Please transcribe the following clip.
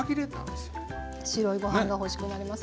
白いご飯が欲しくなります。